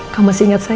kamu masih ingat saya